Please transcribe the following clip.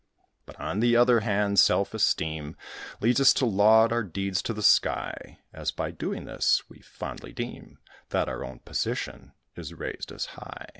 But, on the other hand, self esteem Leads us to laud our deeds to the sky, As, by doing this, we fondly deem That our own position is raised as high.